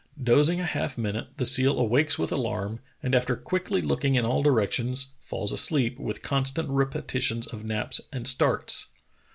Dozing a half minute, the seal awakes with alarm, and after quickly looking in all directions falls asleep, with constant rep etitions of naps and starts.